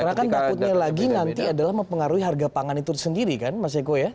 karena kan takutnya lagi nanti adalah mempengaruhi harga pangan itu sendiri kan mas eko ya